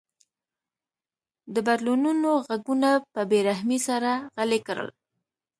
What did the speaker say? د بدلونونو غږونه په بې رحمۍ سره غلي کړل.